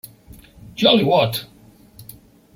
Jolly What!